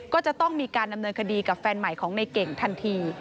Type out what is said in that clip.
ก็จะต้องมีการดำเนินคดีกับแฟนใหม่ของในเก่งทันที